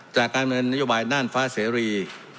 การเมืองนโยบายน่านฟ้าเสรี